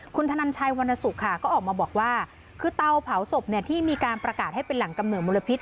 คุณธนันชัยวรรณสุขค่ะก็ออกมาบอกว่าคือเตาเผาศพที่มีการประกาศให้เป็นแหล่งกำเนิดมลพิษ